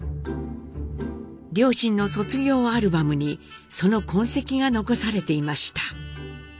両親の卒業アルバムにその痕跡が残されていました。